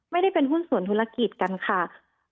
ไม่ได้เป็นหุ้นส่วนธุรกิจกันค่ะ